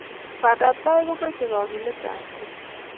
pandaptai komachei kakiletapkei